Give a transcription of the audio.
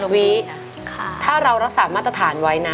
วิถ้าเรารักษามาตรฐานไว้นะ